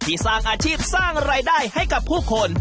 สร้างอาชีพสร้างรายได้ให้กับผู้คน